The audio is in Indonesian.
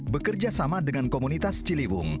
bekerja sama dengan komunitas ciliwung